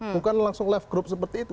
bukan langsung live group seperti itu